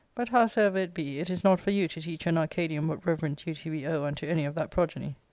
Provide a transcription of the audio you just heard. But, howsoever it be, it is not for you to teach an Arcadian what reverent duty we owe unto any of that progeny.